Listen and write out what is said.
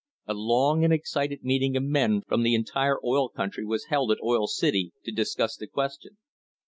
A long and excited meeting of men from the entire oil country was held at Oil City to discuss the question.